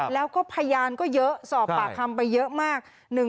แล้วก็พยานก็เยอะสอบปากคำไปเยอะมาก